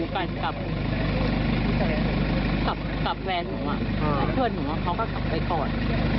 มาส่งกันตอนกี่โมง